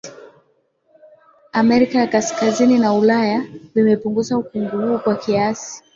Amerika ya Kaskazini na Ulaya vimepunguza ukungu huu kwa kiasi